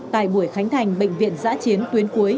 tại buổi khánh thành bệnh viện giã chiến tuyến cuối